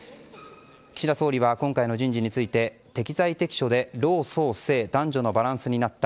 岸田総理は今回の人事について適材適所で老壮青、男女のバランスになった。